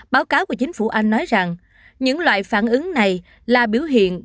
báo cáo của chính phủ anh nói rằng những loại phản ứng này là biểu hiện